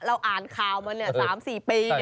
เราอ่านข่าวมาเนี่ยสามสี่ปี